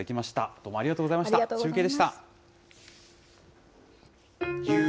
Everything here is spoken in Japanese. どうもありがとうございました、中継でした。